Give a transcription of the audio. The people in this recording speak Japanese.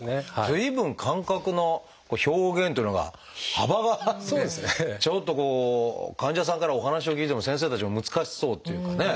随分感覚の表現っていうのが幅があってちょっと患者さんからお話を聞いても先生たちも難しそうっていうかね。